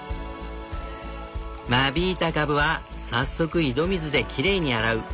間引いたカブは早速井戸水できれいに洗う。